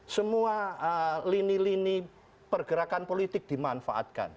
semua lini lini pergerakan politik dimanfaatkan